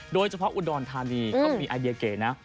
โดยเฉพาะอุดรธานีเขามีไอเดียเก๋นะ